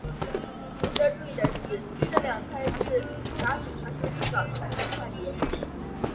值得注意的是这两派是噶举传承最早创立的派别。